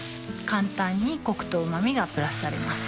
簡単にコクとうま味がプラスされます